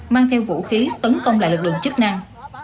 mang theo vũ khí tấn công lại lực lượng chức năng